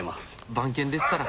番犬ですから。